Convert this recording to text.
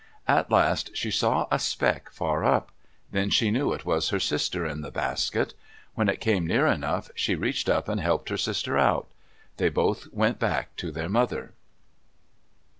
At last she saw a speck far up. Then she knew it was her sister in the basket. When it came near enough, she reached up and helped her sister out. They both went back to their mother.